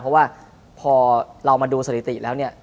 เพราะว่าพอเรามาดูสถิติแล้วเนี่ย